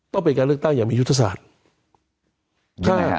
ต้องเป็นการเลือกตั้งอย่างมียุทธศาสตร์